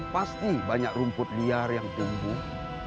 pasti banyak rumput liar yang tumbuh